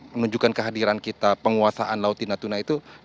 menunjukkan kehadiran kita penguasaan lauti natuna itu